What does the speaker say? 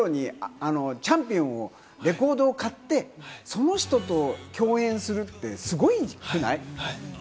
僕は本当に子どもの頃に『チャンピオン』のレコードを買って、その人と共演するってすごくない？